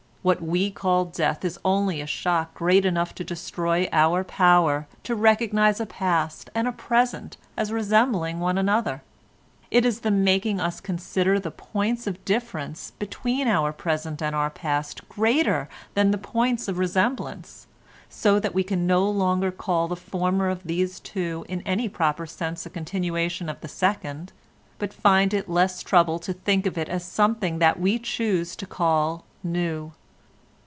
What we call death is only a shock great enough to destroy our power to recognise a past and a present as resembling one another. It is the making us consider the points of difference between our present and our past greater than the points of resemblance, so that we can no longer call the former of these two in any proper sense a continuation of the second, but find it less trouble to think of it as something that we choose to call new.